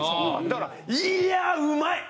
だから「いやあうまい！